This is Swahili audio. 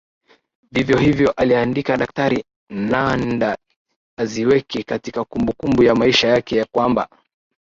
Vivyo hivyo aliandika Daktari Nmandi Azikiwe katika kumbukumbu ya maisha yake ya kwamba